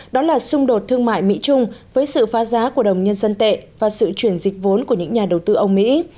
đó là xung đột thương mại mỹ trung với sự phá giá của đồng nhân dân tệ và sự chuyển dịch vốn của những nhà đầu tư ông mỹ